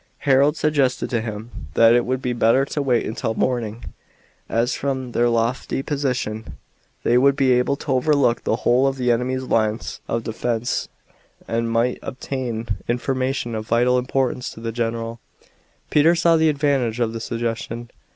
Harold suggested to him that it would be better to wait until morning, as from their lofty position they would be able to overlook the whole of the enemy's lines of defense and might obtain information of vital importance to the general. Peter saw the advantage of the suggestion.